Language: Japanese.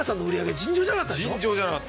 尋常じゃなかった。